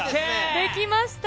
できました。